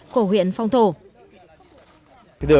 cổ huyện phong thổ